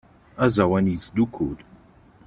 Aẓawan yesdukkul.